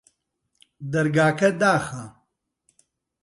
دەرگاکە داخە